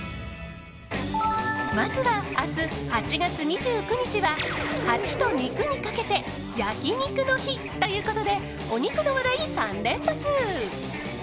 まずは、明日８月２９日は８と２９にかけて焼き肉の日ということでお肉の話題３連発。